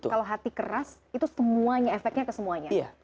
kalau hati keras itu semuanya efeknya ke semuanya